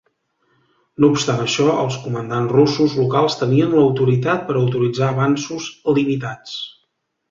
No obstant això, els comandants russos locals tenien l'autoritat per autoritzar avanços limitats.